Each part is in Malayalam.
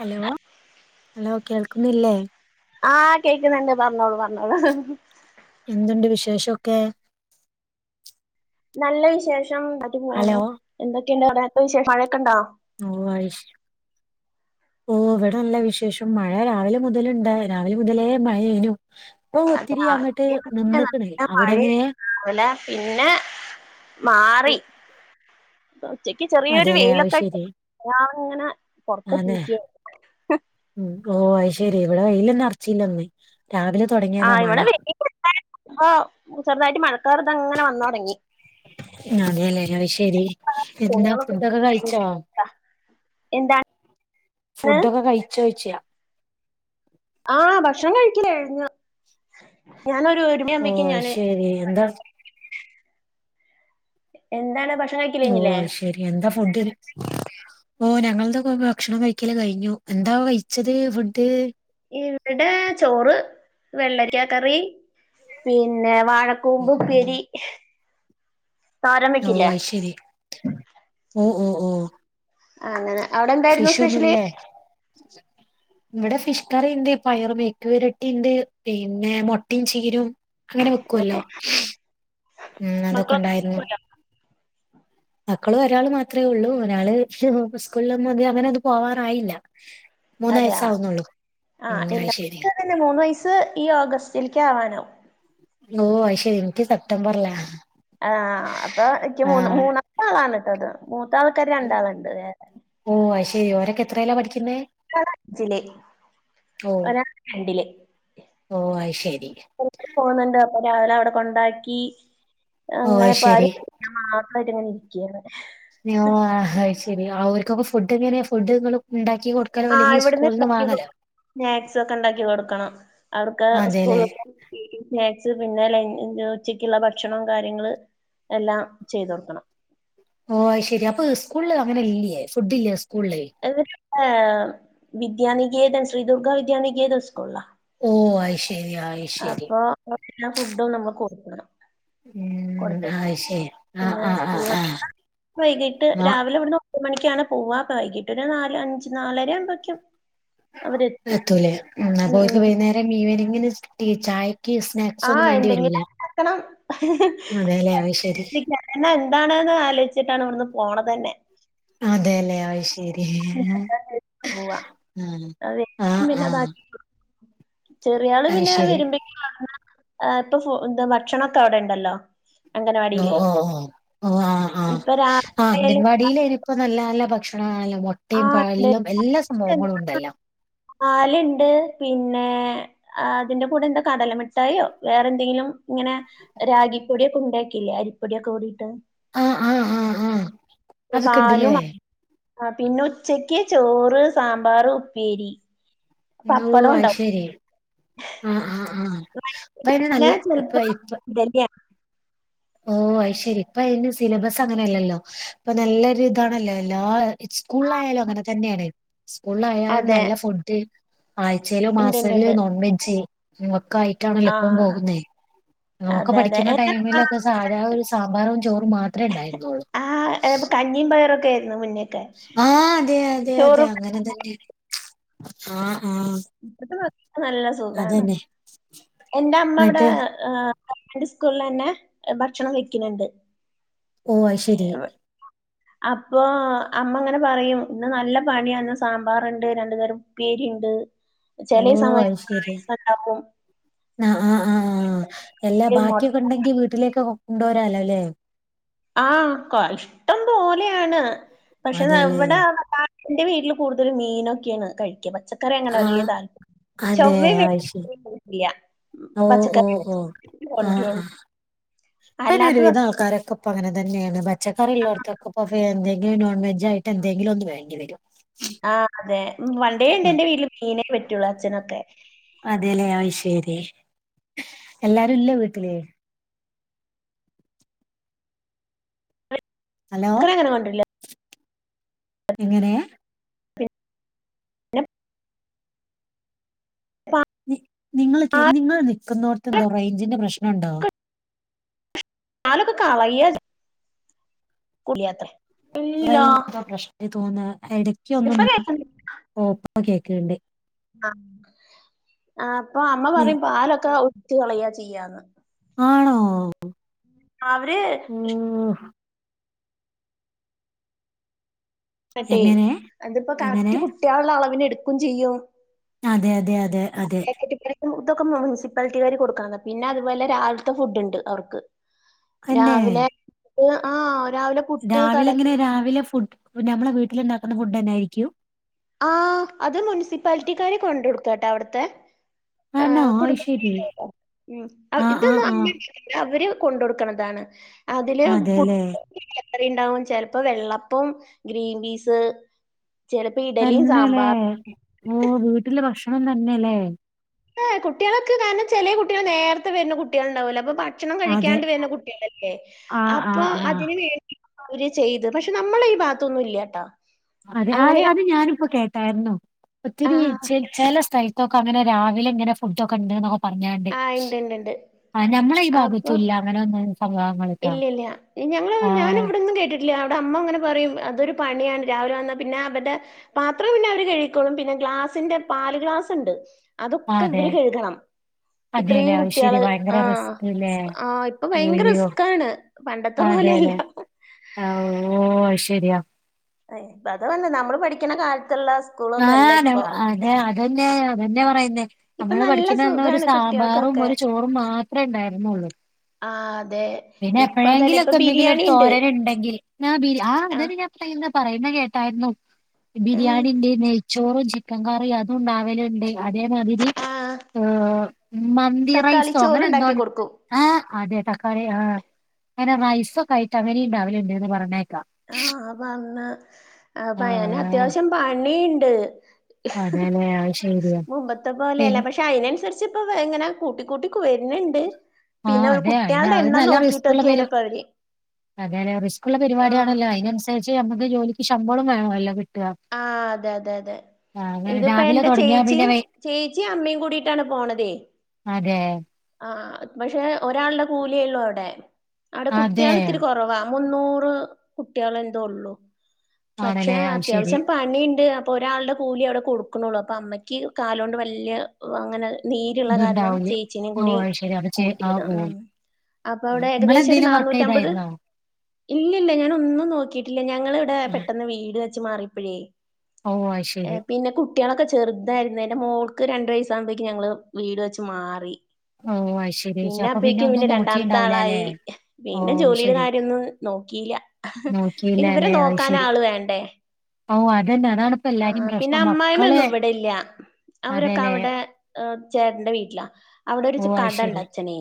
ഹലോ.. ഹലോ കേൾക്കുന്നില്ലേ ആഹ് കേക്ക്ന്ന്ണ്ട് പറഞ്ഞോളു പറഞ്ഞോളു എന്ത്ണ്ട് വിശേഷൊക്കെ നല്ല വിശേഷം ന്നായ്ട്ട് ഹലോ പോവുന്നു എന്തൊക്കെയുണ്ട് അവിടെത്തെ വിശേഷം മഴയൊക്കെണ്ടാ ഓഹ് അയിശ് ഓഹ് വ്ട നല്ല വിശേഷം മഴ രാവില മുതല്ണ്ടാ രാവില മുതലേ മഴയേനു ഇപ്പൊ ഒത്തിരി അങ്ങട്ട് അതെയ [unintelligible] നിന്ന്ക്ക്ണ് നല്ല അവിടെ എങ്ങനെ മഴയലെ [unintelligible] പിന്നെ മാറി ഉച്ചക്ക് ചെറിയൊരു അതേല്ലേ അത് വെയിലൊക്കെ ഉണ്ട് ശരി തുണിയാള് ഇങ്ങനെ ആന്നെ പൊറത്തിട്ടിരിക്കയാ ഉം ഓഹ് അയ്ശരി ഇവിടെ വെയ്ലെന്നെ അർച്ചില്ലന്ന് രാവിലെ തുടങ്ങി ആഹ് ഇവിടെ വെയിലുണ്ടാരുന്നു ചെറുതായിട്ട് മഴക്കാറിതങ്ങനെ വന്ന് തുടങ്ങി അതെയല്ലേ അത് ശരി എന്താ തുണികളൊക്കെ ഫുഡൊക്കെ കഴിച്ചോ എന്താണ് ഫുഡൊക്കെ കഴിച്ചോയ്ച്ച ആഹ് ഭക്ഷണം കഴിക്കല് കഴിഞ്ഞു ഞാനൊരു ഒരു മണി ഓ ആവുമ്പേഴേക്കും അത് ഞാന് ശരി എന്താ ഭക്ഷണം കഴി എന്താണ് ഭക്ഷണം കഴി ഓഹ് അയ് ശെരി എന്താ ഫുഡ് ഇന്ന് ഓഹ് ഞങ്ങൾ ഭക്ഷണം കഴിക്കല് കഴിഞ്ഞു എന്താ കഴിച്ചത് ഫുഡ് ഇവിടെ ചോറ് വെള്ളരിക്കാ കറി പിന്നെ വാഴ കൂമ്പ് ഉം ഉപ്പേരി തോരൻ ഓഹ് വെക്കില്ലേ അയ്ശരി ഓഹ് ഓഹ് ഓഹ് അങ്ങനെ അവിടെ എന്തായിരുന്നു ഫിഷ് സ്പെഷ്യല് ഒന്നുല്ലേ ഇവിടെ ഫിഷ് കറിണ്ട്, പയറ് മെഴുക്ക് വരട്ടിണ്ട് പിന്നെ, മൊട്ടിം ചീരും അങ്ങനെ വെക്കുവല്ലോ ഉം അതൊക്കെ മക്കളൊക്കെ സ്കൂളിൽ ഉണ്ടായിരുന്നു പോയോ മക്കള് ഒരാൾ മാത്രേ ഉള്ളൂ ഒരാള് സ്കൂളിലൊന്നും അങ്ങ് അങ്ങനെ അത് പോവാറായില്ല മൂന്ന് വയസ് അതെയോ ആവുന്നുള്ളൂ ഉം അയ്ശരി [unintelligible] ന്നെ മൂന്ന് വയസ്സ് ഈ ഓഗസ്റ്റിൽക്ക് ആവാനാകും ഓഹ് അയ് ശരി ഇവൻക്ക് സെപ്റ്റംബർലാ ആഹ് അപ്പൊ എനിക്ക് മൂന്ന് മൂന്നാളാണ് ഉള്ളത് മൂത്ത ആൾക്കാർ രണ്ടാളുണ്ട് വേറെ ഓഹ് അയ്ശരി ഓരൊക്കെ എത്രേലാ പഠിക്കുന്നേ ഒരാള് അഞ്ചില് ഓ ഒരാള് രണ്ടില് ഓ അത് ശരി പോന്നുണ്ട് അപ്പൊ രാവിലെ അവിടെ കൊണ്ടാക്കി ഓ അത് അങ്ങനെപ്പോ ശരി ആരും ഞാൻ മാത്രം ആയിട്ട് ഇങ്ങനെ ഇരിക്കാ ഓ അത് ശരി. അവർക്കൊക്കെ ഫുഡ് എങ്ങനെയാ ഫുഡ് നിങ്ങള് ഇണ്ടാക്കി കൊട് ക്കെലൊ ആ അല്ലെങ്കി ഇവിടുന്ന് സ്കൂള്ന്ന് ഉണ്ടാക്കി വാങ്ങല്ലോ സ്നാക്സ് ഒക്കെ ഇണ്ടാക്കി കൊടുക്കണം. അവർക്ക് അതെല്ലേ സ്കൂള് സ്നാക്സ് പിന്നെ ലൻ ഉച്ചക്കുള്ള ഭക്ഷണം കാര്യങ്ങള് എല്ലാം ചെയ്ത് കൊടുക്കണം ഓഹ് അത് ശെരി. അപ്പ സ്കൂള്ല് അങ്ങനെ ഇല്ലേ ഫുഡ് ഇല്ലേ സ്കൂള് ള് ഇവര് പിന്നെ വിദ്യാനികേതം ശ്രീദുർഗാ വിദ്യാനികേതം സ്കൂള്ലാ ഓഹ് അത് ശെരി ആയി അപ്പൊ ഫുഡും നമ്മള് കൊടുക്കണം ഉം കൊടുത്ത് അത് ശരി ആ പിന്നെ ആ ആ സ്കൂൾ ആ വൈകിട്ട് ആ രാവിലെ ഇവിട്ന്ന് ഒൻ ഒൻപത് മണിക്കാണ് പോവ. അപ്പ വൈകിട്ടൊര് നാല് അഞ്ച് നാലര ആകുമ്പോയ്ക്കും എത്തൂലേ. ഉം അപ്പോ വൈന്നേരം ഈവനിങ്ങിന് ചായയ്ക്ക് സ്നാക്ക് ആഹ് എന്തെങ്കിലും ഉണ്ടാക്കണം അതെല്ലേ അത് ശരി ഇന്ന് എന്താണേന്ന് ആലോയ്ച്ചിട്ടാണ് ഇവെട്ന്ന് പോണെതെന്നെ അതേലെ ആഹ് അത് ശെരി ഉണ്ടാക്കാന്ന് വെച്ച് പോവാ. ആഹ് അത് ഏൽപ്പിക്കും പിന്നെ ആഹ് അതാക്കി കൊടുക്കും. ചെറിയാള് പിന്നെ ശരി വരുമ്പഴേക്കും [unintelligible] ഇപ്പൊ ഭക്ഷണൊക്കെ അവിടെ ഇണ്ടല്ലോ. ഓഹ് ഓഹ് ഓഹ് ഓഹ് ആഹ് ആഹ് ഇപ്പൊ ആഹ് രാവിലെ അംഗൻവാടിയിലേ ഇപ്പൊ നല്ല നല്ല ഭക്ഷണമാണല്ലോ ആ മുട്ടിം ഉണ്ട് പാലും എൽ എല്ലാ സംഭവങ്ങളും ഉണ്ടല്ലോ പാല് ഇണ്ട്. പിന്നെ അതിന്റെ കൂടെ എന്താ കടലമിട്ടായോ വേറെ എന്തെങ്കിലും ഇങ്ങനെ രാഗിപ്പൊടിയൊക്കെ ഉണ്ടാക്കില്ലേ അരിപ്പൊടിയൊക്കെ കൂടിട്ട് ആഹ് ആഹ് ആഹ് ആഹ് പാലും ആഹ് പിന്നെ ഉച്ചക്ക് ചോറ് സാമ്പാർ ഉപ്പേരി ഓഹ് പപ്പടം അഹ് ഉണ്ടാവും. ശെരി ആഹ് ആഹ് ആഹ് അഹ് ഇ പൈന് നല്ല ഇപ്പ ഇപ്പ ഇതെന്ന്യ ഓഹ് അഹ് ശെരി ഇപ്പ അതിന് സിലബസ് അങ്ങനെയല്ലല്ലോ. ഇപ്പൊ നല്ലരു ഇതാണല്ലൊ. എല്ലാ സ്കൂള് ആലായാലും അങ്ങനെ തന്നേണ്. സ്കൂളിലായാലും അതെ നല്ല ഫുഡ് ആഴ്ചയിലു ഇണ്ട് ഇണ്ട് മാസെൽ ഇണ്ട് നൊൺ വിച്ചേയ് നമക്ക്ആയി ണല്ലോ ഇപ്പ ആഹ് പോകുന്നേ നോക്ക അതെ അതെ പഠിക്കുന്ന എന്റെ ടൈമ് ലൊ താഴാ ഒരു സാമ്പാറും ചോറും മാത്രേ ഇണ്ടായിരുന്നൊള്ളൂ കഞ്ഞിം പയറൊക്കേരുന്നു മുന്നേ ആഹ് അതെ അതെ അതെ അങ്ങനെ പയറും. തന്നേണ്. ആഹ് ആഹ് ഇപ്പത്തെ നല്ല സുഖാണ്. എന്റെ അമ്മ ഔടെ എന്നിട്ട് ഹ ഗവൺമെന്റ് സ്കൂളിലെന്നെ ഭക്ഷണം വെക്കുന്നുണ്ട് ഓഹ് ശരി അപ്പോ അമ്മ ഇങ്ങനെ പറയും. ഇന്ന് നല്ല പണിയാണ്. ഇന്ന് സാമ്പാറ്ണ്ട് രണ്ടു തരം ഉപ്പേരി ഇണ്ട് ഓഹ് അഹ് ശെരി ഉണ്ടാക്കും, ആഹ് ആഹ് ആഹ് ആഹ് എല്ലാ ബാ മുട്ട ക്ക്യൊക്കെ ഇണ്ടെങ്കി വീട്ടിലേക്ക് കൊണ്ടോരാലോലേ ആഹ് ക്ക ഇഷ്ടം പോലെയാണ്. പക്ഷെ അതെല്ലേ എവ്ടെ [unintelligible] ഇന്റെ വീട്ടിലു കൂടുതൽ മീനൊക്കെയാണ് കഴിക്ക പച്ചക്ക ക്കറി അങ്ങനെ ആ വല്യതാൽ [unintelligible] അതെ ചവ്വയും വ അത് ശരി [unintelligible] ഇല്യ ഓ ഓ പച്ചക്കറി കൊണ്ട്രള്ളു ഇപെന്നെ ഒരുവിധ ആൾക്കാരൊക്കെ ഇപ്പ അങ്ങനെ തന്നെേണ് പച്ചക്കറി ഇള്ളോട്ത്തൊക്കെ ഇപ്പൊ [unintelligible] നോൺ വേ ജായിട്ട് എന്തെങ്കിലും ഒന്ന് വേണ്ടി വെരും ആഹ് അതെ വണ്ടേ ഉണ്ട് ഇൻന്റെ വീട്ടില് മീനേ പറ്റൊള്ളു അച്ഛനൊക്കെ അതേലെ അഹ്ശെരി എല്ലാരും ഇല്ലെ വീട്ടില് ഹലോ പച്ചക്കറി അങ്ങനെ കൊണ്ടരില്ല. എങ്ങനെയ? പിന്നെ പാൽ നിങ്ങൾക്ക് നിങ്ങൾ നിക്കുന്നോട്ത്തെ എന്തോ റേഞ്ചിന്റെ പ്രശ്നം ഉണ്ടോ അതൊക്കെ കളയ കുളിയാട്ടം റേഞ്ച് എന്തോ പ്രശ്നം തോന്നാ. എടക്ക് ഒന്നും ഇപ്പൊ കേക്ക ഓഫാ കേക്ക്ണ്ട്. ആഹ് ആഹ് അപ്പൊ അമ്മ പറയും പാലൊക്കെ ഒഴച്ച് കളയ ചെയ്യാന്ന് ആണൊ അവര് ട്ടെ എങ്ങനെ അതിപ്പോ കറക്റ്റ് എങ്ങനെ കുട്ടികളുടെ അളവിനെടുക്കും ചെയ്യും അതെയതെയതെ അതെ പാക്കറ്റ് പൈസ ഇതൊക്കെ മുൻസിപ്പാലിറ്റി വാര് കൊടുക്കണത പിന്നെ അതുപോലെ രാവിലത്തെ ഫുഡ് ഉണ്ട് അവർക്ക് അന്നെ രാവിലെ ആഹ് രാവിലെ പുട്ട് കടല രാവിലെങ്ങനെ രാവിലെ ഫുഡ് നമ്മളെ വീട്ടിലുണ്ടാക്കുന്ന ഫുഡന്നൊയിരിക്കും ആഹ് അത് മുനിസിപ്പാലിറ്റിക്കാര് കൊണ്ട കൊടുക്കട്ടോ അവിടുത്തെ ആണോ ആഹ് അത് കുടുംബ [inaudible] ശരി ആ ആ ഇതൊന്ന ആ [inaudible] അവര് കൊണ്ട കൊടുക്കണതാണ് അതില് പു അതെല്ലേ എത്ര ഉണ്ടാവും ചെലപ്പോ വെള്ളപ്പം ഗ്രീൻ പീസ് ച തന്നെല്ലേ ഓഹ് വീട്ടില് ഭക്ഷണം തന്നെല്ലേ ഏ കുട്ട്യാളൊക്കെ കാരണം ചെലെ കുട്ട്യാൾ നേരത്തെ വര്ന്ന കുട്ടിൾുണ്ടാവലോ അപ്പൊ ഭക്ഷണം അതെ കഴിക്കാണ്ട് വരുന്ന കുട്ടികളല്ലേ ആ ആ അപ്പ ആ അതിന വേ അവര് ചെയ്ത് പക്ഷെ നമ്മള ഈ ഭാതൊന്നും ഇല്ലാട്ടോ അതെ ആ അത് ഞാനിപ്പോ കേട്ടായിരുന്നു ആ ഒത്തിരി ഛെല സ്ഥ തോക്കങ്ങനെ രാവിലെങ്ങനെ ഫുടൊക്കെണ്ട്ന്നൊക്കെ പറഞ്ഞാണ്ട് ആ ഇണ്ട് ഇണ്ട് ഇണ്ട്. ആ ഞമ്മള ഈ അപ്പൊ ഭാഗത്തുല്ല അങ്ങനെ ഒന്നഭ ഇല്ല ഇല്ല ഞങ്ങള് ഞാനി ഇവിടന്ന് കേട്ടിട്ട ഇല്ല അവിടെ അമ്മ അങ്ങനെ പറയും അതൊരു പണിയാണ് രാവിലെ വന്നാൽ പിന്നെ അവടെ പാത്രം പിന്നെ അവര് കഴിക്കോളും പിന്നെ ഗ്ലാസ്സിന്റെ പാല് ഗ്ലാസ് ഉണ്ട് ആ, അതൊക്കെ അതെ ഇവര് കഴുകണം അതെല്ലേ ഇത്രയും അത് ശരി കുട്ടികള് ഭയങ്കര ആ റിസ്ക് അല്ലേ ആ ഇപ്പൊ ഭയങ്കര ഒയ്യോ ക്കാണ് പണ്ടത്തെ പോലെയല്ല ആഹ് ഓ ശരിയാ അ ഇപ്പ അത് വന്ന നമ്മള് പഠിക്കുന്ന കാലത്തുള്ള സ്കൂളൊന്നും അല്ല ആഹ് ഇപ്പൊ അതെ അതന്നെ അതെന്നെ പറയുന്നേ ഇപ്പൊ നമ്മള് നല്ല പഠിക്കുന്ന തന്നെ ഒരു സുഖാണ് സാമ്പാറും കുട്ടികൾക്കൊക്കെ ഒരു ചോറും മാത്രെ ഉണ്ടായിരുന്നുള്ളൂ ആഹ് അതെ പിന്നെ ഇപ്പ അതല്ല ഇപ്പൊ എപ്പോഴെങ്കിലോക്കെ എന്തെങ്കിലും ഒരു ബിരിയാണി ഉണ്ട് തോരനുണ്ടെങ്കിൽ ആ അതന്നെ ഞൻ ഇന്ന് പറയുന്ന കേട്ടായിരുന്നു ബിരിയാണിന്റ ചോറും ചിക്കൻ കറിയും അതും ഉണ്ടാവലുണ്ട് അതേമാതിരി ആ ഏഹ് മന്തി തക്കാളി റൈസോ അങ്ങനെ എന്തോ ചോറ്ണ്ടാക്കി കൊടുക്കും ആഹ അതെ തക്കാളി ആ് അങ്ങനെ റൈസൊക്കെയായിട്ട് അങ്ങനെയുണ്ടാവിലുണ്ട് ന്ന് പറഞ്ഞേക്കാം ആഹ് അപ്പ അന്ന് ആ പയന അത്യാവശ്യം പണിണ്ട് അതെല്ലെ അത്ശരിയ പി പോലെയല്ല പക്ഷെ അതിനനുസരിച്ച് ഇപ്പ ഇങ്ങനെ കൂട്ടിക്കൂട്ടി വരുന്നുണ്ട് ആ പിന്നെ അവര് അതെ അതിന് കുട്ടികൾടെ എണ്ണം നോക്കിട്ടൊക്കെയാണ് ഇപ്പൊ അവര് അതേ അല്ലെ റിസ്ക് ഉള്ള ആ പരിപാടിയാണല്ലോ അയിനനുസരിച്ച് ഞമക്ക് ജോലിക്ക് ശമ്പളം വേണല്ലോ ആഹ് അതെ അതെ അതെ അങ്ങനെ ഇതിപ്പോ രാവിലെ എന്റെ തുടങ്ങിയാ പിന്നെ ചേച്ചിയും വൈ ചേച്ചിയും അമ്മയും കൂടിയിട്ടാണ് പോണതേ അതെ ആഹ് പക്ഷെ ഒരാളുടെ കൂലിയേള്ളൂ അവിടെ അവിടെ അതെ കുട്ടികൾ ഇത്തിരി കുറവാ മുന്നൂറ് കുട്ടികളന്തേ ഉള്ളു പക്ഷെ ആണല്ലേ അത് ശരി പണിണ്ട് അപ്പൊ ഒരാളുടെ കൂലി അവിടെ കൊടുക്കണുള്ളു അപ്പൊ അമ്മയ്ക്ക് കാലോണ്ട് വല്യ അങ്ങനെ നീരുള്ള കാരണം ഇതുണ്ടാവൂലേ ചേച്ചീനേം ഓ കൂടി അത് ശരി അപ്പൊ ചെ ആ കൂട്ടിയതാണ് ഓ ഉം അപ്പൊ അവിടെ ഏകദേശം ഒരു നിങ്ങളെന്തേലും വർക്ക് നണുറ്റമ്പത് ചെയ്തായിരുന്നോ ഇല്ലില്ലല്ല ഞാനൊന്നും നോക്കിട്ടില്ല ഞങ്ങളിവിടെ ആ, പെട്ടന്ന് വീട് വെച്ച് മാറിപ്പഴെ ഓ അത് ഏ ശരി പിന്നെ കു കുട്ട്യാളൊക്കെ ചെറുതായിരുന്നു എന്റെ മോൾക്ക് രണ്ട് വയസമ്പോഴേക്ക് ഞങ്ങള് വീട് വെച്ച് മാറി ഓ അത് ശരി ചേച്ചി. പിന്നെ അപ്പൊ അപ്പേക്കും ഒന്നും പിന്നെ രണ്ടാമത്തെ നോക്കിണ്ടാവൂല അല്ലെ ആളായി ഓ പിന്നെ അത് ജോലിയുടെ ശരി കാര്യോന്നും നോക്കിയില്ല നോക്കിയില്ല ഇവര് അല്ലെ അത് നോക്കാൻ ശരി ആള് വേണ്ടേ ഓ അതന്നെ അതാണിപ്പം ആ എല്ലാരേം പിന്നെ പ്രശ്നം മക്കളെ അമ്മായിമ്മയൊന്നും ഇവിടെ ഇല്ല അവരൊക്കെ അതെല്ലെ അവിടെ ചേട്ടന്റെ വീട്ടിലാ അവിടെ ഓ ഒരു അത് കട ഉണ്ട് ശരി അച്ഛനേ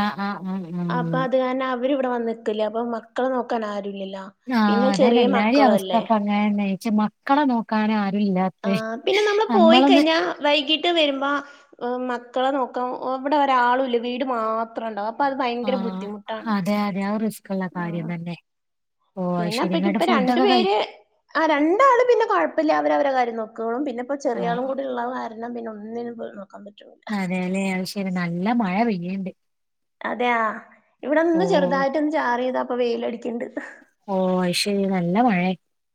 ആഹ് ആഹ് അഹ് അഹ് കാരണം അവരിവിടെ വന്നിക്കല്ല അപ്പൊ മക്കളെ നോക്കാൻ ആരുല്ലല്ല ആഹ് അതന്നേ എല്ലാരേം അവസ്ഥ അപ്പ അങ്ങനെ ച്ച മക്കളെ നോക്കാന് ആരും ആ ഇല്ലാത്തേ പിന്നെ നമ്മള് പോയി നമ്മളൊന്ന് കഴിഞ്ഞാ വൈകീട്ട് വരുമ്പോ മക്കളെ നോക്കാ ഇവിടെ ഒരാളില്ല വീട് മാത്രം ഉണ്ടാവും അത് ഭയങ്കര ആഹ് ബുദ്ധിമുട്ടാണ് അതെ അതെ ആ റിസ്ക് ഉള്ള ആ കാര്യം തന്നെ ഓ അത് പിന്നെ ശരി അപ്പക്കിം ഇങ്ങട്ട് ഇപ്പൊ രണ്ട് ഫുഡൊക്കെ കഴി പേര് ആ രണ്ടാള് പിന്നെ കുഴപ്പില്ല അവര് അവരെ കാര്യം നോക്കോളും പിന്നിപ്പോ ആഹ് ചെറിയാളും കൂടി ഉള്ളത് കാരണം പിന്നെ ഒന്നിനും നോക്കാൻ പറ്റുള്ളൂ അതേല്ലെ അത്‌ ശരി നല്ല മഴ പെയ്യണ്ട് അതെയാ ഇവിടെ ഒന്ന് ഓ ചെറുതായിട്ടൊന്ന് ചാറിയതാ ഇപ്പൊ വെയിലടിക്കണ്ട് ഓ അയിശരി നല്ല മഴയ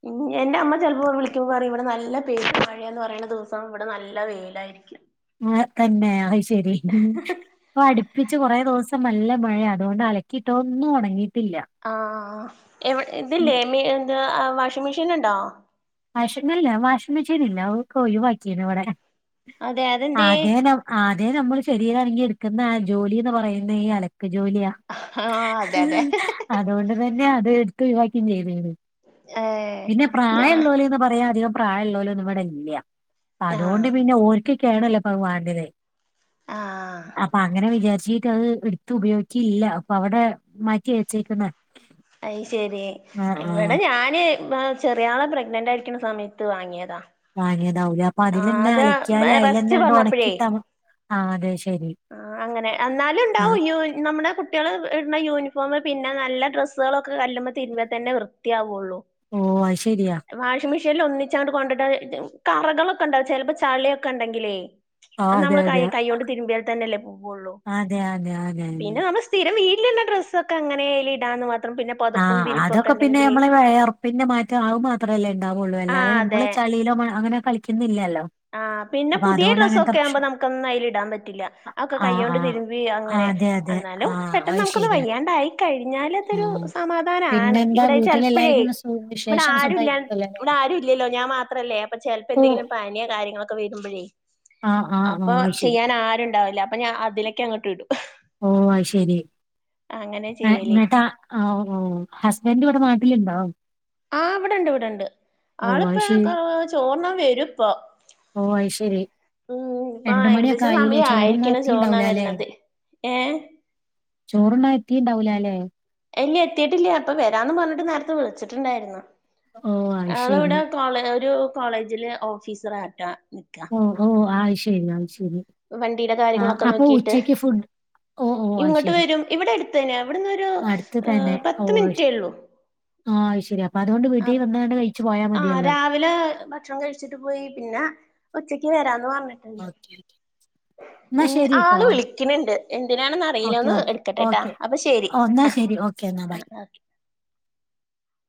ഉം എന്റെ അമ്മ ചിലപ്പോ വിളിക്കുമ്പോ പറയും ഇവിടെ നല്ല പെര് മഴന്ന് പറയുന്ന ദിവസം ഇവിടെ നല്ല വെയിലായിരിക്കും ആഹ് തന്നെ അത് ശരി ഇപ്പൊ അടുപ്പിച്ച് കൊറെ ദിവസം നല്ല മഴയാ അതോണ്ട് അലക്കിയിട്ട ഒന്നും ഉണങ്ങിയിട്ടില്ല ആഹ് എവി ഇതില്ലേ മി ഇത് വാഷിംഗ് മെഷീൻ ഉണ്ടോ വാഷിംഗ അല്ല വാഷിംഗ് മെശീനില്ല അതൊക്ക ഒഴിവാക്കിണ് ഇവിടെ അതെ അതെന്തേ ആകെനെ ആകെ നമ്മള് ശരീരനങ്ങി എടുക്കുന്ന ജോലിന്ന് പറയുന്നെ ഈ അലക്ക് ജോലിയാ ആഹ് അതെ അതെ അതൊണ്ട് തന്നെ അത് ഇടുത്തു ഒഴിവാക്കിം ചെയ്തീണ് ഏഹ് പിന്നെ ഞാ പ്രായഇള്ളോല് ന്ന് പറയാൻ അധികം പ്രായഇള്ളോലൊന്നും ഇവിടെ ഇല്ല അതൊണ്ട് ആഹ് പിന്നെ ഓര്ക്ക് കേടല്ലേ ഇപ്പൊ അത്‌ വേണ്ടത് ആഹ് അപ്പൊ അങ്ങനെ വിചാരിച്ചി അത് ഇടുത്ത് ഉപയോഗിക്കില്ല അത്‌ അപ്പൊ അവിടെ മാറ്റി വെച്ചേക്ക്ണ് അയ്‌ ശരി ഇവിടെ ഞാൻ ചെറിയാളെ പ്രഗ്നൻറ് ആയിരിക്കണ സമയത്ത് വാങ്ങിയതാ വാങ്ങിയതാവുലെ ആഹ് അതിലെന്നെ അത് അലക്കിയാല് അയിലെന്നെ റസ്റ്റ് അണ്ട് പറഞ്ഞപ്പഴേ ഒണക്കിട്ടാല് അതെ ശെരി ആഹ് അങ്ങനെ എന്നാലും ഉണ്ടാവും യൂ നമ്മുടെ കുട്ടികൾ ഇടുന്ന യൂണിഫോം പിന്നെ നല്ല ഡ്രസ്സുകളൊക്കെ കല്ലുമ്മെ തിരുമ്പ്യാ തന്നെ വൃത്തിയാവുള്ളു. ഓ അത് ശെരിയാ വാഷിംഗ് മെഷീനില് ഒന്നിച്ചണ്ട് കൊണ്ടട്ടാ കറകളൊക്കെ ഉണ്ടാവും ചിലപ്പോ ചളിയൊക്കെ ഉണ്ടെങ്കിലേ ആഹ് അത് അതെ നമ്മള് കൈ അതെ കൈൊണ്ട് തിരുമ്പിയ തന്നെല്ലേ പോവുള്ളൂ അതെ അതെ അതെ പിന്നെ നമ്മള് സ്ഥിരം വീട്ടിൽ ഇട്ണ ഡ്രസ്സൊക്കെ അങ്ങനെ അയിലിടാന്ന് മാത്രം പിന്നെ. പൊതപ്പും ആഹ് വിരിപ്പും ഒക്കെ അതൊക്കെ പിന്നെ ഉണ്ടെങ്കില് നമ്മള് വെയ്ർപ്പിന്റെ മാറ്റം അത്‌ മാത്രമല്ലേ ഉണ്ടാവുള്ളൂ ആ അല്ലാതെ അതെ നമ്മള് ചളിയിലോ മ അങ്ങനെ കളിക്കുന്നില്ലല്ലോ ആഹ പിന്നെ അപ്പൊ പുതിയ അതുകൊണ്ട് അങ്ങനത്തെ ഡ്രസ്സൊക്കെ ആകുമ്പോ പ്രശ്നം നമുക്കൊന്നും അതിൽ ഇടാൻ പറ്റില്ല അത്‌ ഒക്കെ ആഹ് കൈയ്യോണ്ട് ആഹ് തിരുമ്പി അങ്ങനെ ആഹ് അതെ അതെ എന്നാലും ആഹ് പെട്ടെന്ന് അത് നമുക്കൊന്ന് ശരിയാ വയ്യാണ്ടായി കഴിഞ്ഞാലതൊരു ആഹ് സമാധാനാണ് പിന്നെന്താ ഇവിടെ ചെലപ്പഴേ വീട്ടിലെല്ലാരിക്കും സു ഇബിടെ വിശേഷം ആരുല്ല സുഖായിരിക്കുവല്ലോ അല്ലേ ഇവിടെ ആരും ഇല്ലല്ലോ ഞാൻ മാത്രല്ലേ അപ്പ ചിലപ്പോ ഓഹ് എന്തെങ്കിലും പണി കാര്യങ്ങളൊക്കെ വരുമ്പഴേ ആഹ് ആഹ് അപ്പൊ ആഹ് അത് ശരി ചെയ്യാൻ ആരുംണ്ടാവില്ല അപ്പൊ ഞാൻ അതിലെക്ക് അങ്ങട്ട് ഇടും ഓ അത്‌ ശരി അങ്ങനെ ഏഹ് ചെയ്യല് ഇന്നിട്ട് ആ ആഹ് ഓ ഹസ്ബൻഡ് ഇവിടെ നാട്ടിലുണ്ടോ ആ് ഇവിടെണ്ട് ഇവിടെണ്ട് ഓ അത് ആളിപ്പൊ ശരി. ചോർണ്ണാൻ വരും ഇപ്പൊ ഓ അത് ശരി. ഉം ഇപ്പൊ മണിയൊക്കെ ഏകദേശം ആയില്ലേ? ചോറുണ്ണാൻ സമയായിരിക്ക്ണ് ചോർ തിന്നാൻ എത്തിണ്ടാവൂലാല്ലേ? വരണത് ഏഹ് ചോറുണ്ണാ എത്തീണ്ടാവൂല ല്ലേ. ഇല്ല എത്തിട്ടില്ലാ ഇപ്പം വരാന്ന് പറഞ്ഞിട്ട് നേരത്തെ വിളിച്ചിട്ടുണ്ടായിരുന്നു. ഓ അത് ആള് ശരി. ഇവടെ കോളേ ഒരു കോളേജില് ഓഫീസർ ആർറ്റാ നി ഓഹ് ഓഹ് ആയി ശരി ആയി ശരി വണ്ടീലെ ആ കാര്യങ്ങളൊക്കെ അപ്പൊ നോക്കിട്ട് ഉച്ചയ്ക്ക് ഫുഡ് ഓ ഓ അത് ഇങ്ങട്ട് ശരി. വരും ഇവടെ അടുത്തന്നെ. ഇവട്ന്നൊരു ഏഹ് പത്ത് മിനിറ്റേ ഒള്ളൂ ആഹ് അഹ്ശരി. അപ്പൊ അതുകൊണ്ട് വീട്ടീ വന്നാണ്ട് കഴിച്ചു പോയാ മതിയല്ലോ വിലെ ഭക്ഷണം കഴിച്ചിട്ട് പോയി പിന്നെ ഉച്ചക്ക് വരാന്ന് പറഞ്ഞ് ഓക്കെ ഓക്കെ ന്നാ ശരിട്ടോ ആള് വിളിക്കണണ്ട് എന്തിനാണെന്ന് അറിയില്ല ഓക്കെ ഒന്ന് ഓക്കെ എടുക്കട്ടെട്ടാ ഓക്കേ അപ്പൊ ശരി ഓഹ് എന്നാ ശരി ഓ ക്കേ ന്നാ ആ ആ ബയ്.